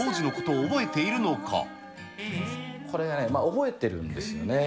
これね、覚えてるんですよね。